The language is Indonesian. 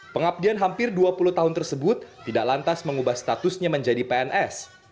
pengabdian hampir dua puluh tahun tersebut tidak lantas mengubah statusnya menjadi pns